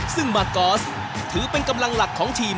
ซึ่งมากอสถือเป็นกำลังหลักของทีม